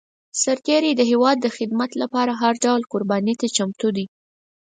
سرتېری د هېواد د خدمت لپاره هر ډول قرباني ته چمتو دی.